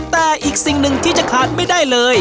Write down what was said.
แต่อีกสิ่งหนึ่งที่จะขาดไม่ได้เลย